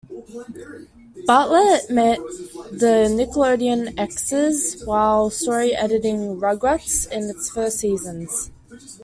Bartlett met the Nickelodeon execs while story editing "Rugrats" in its first seasons.